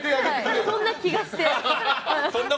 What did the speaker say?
そんな気がして。